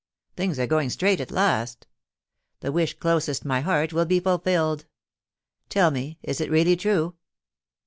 Things are going straight at last The wish closest my heart will be fulfilled. Tell me, is it really true